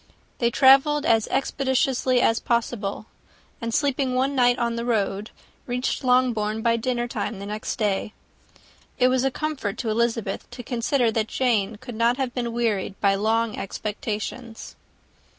They travelled as expeditiously as possible; and sleeping one night on the road, reached Longbourn by dinnertime the next day. It was a comfort to Elizabeth to consider that Jane could not have been wearied by long expectations.